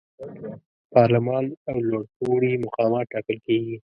پارلمان او لوړپوړي مقامات ټاکل کیږي.